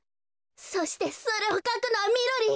そしてそれをかくのはみろりん！